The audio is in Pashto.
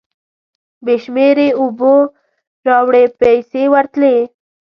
بې شمېرې اوبو راوړې پیسې ورتلې.